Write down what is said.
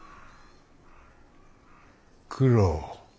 九郎。